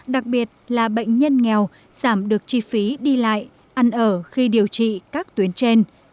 đặc biệt là bệnh nhân nghèo giảm được chi phí đi lại ăn ở khi điều trị các tuyến trên